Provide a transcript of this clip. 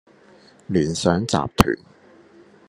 聯想集團